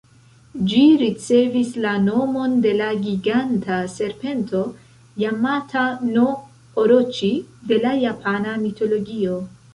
Ĝi ricevis la nomon de la giganta serpento Jamata-no-Oroĉi de la japana mitologio.